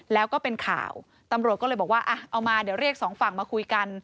แล้วก็เป็นข่าวตำรวจก็เลยบอกว่าอ่ะเอามาเดี๋ยวเรียกสองฝั่งมาคุยกัน